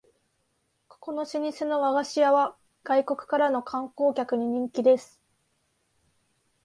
ここの老舗の和菓子屋は外国からの観光客に人気です